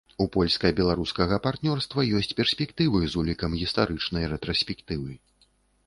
У польска-беларускага партнёрства ёсць перспектывы з улікам гістарычнай рэтраспектывы.